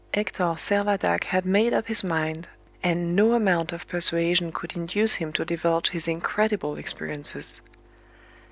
Hector Servadac had made up his mind, and no amount of persuasion could induce him to divulge his incredible experiences.